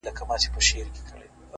زه درسره ومه خو ته راسره نه پاته سوې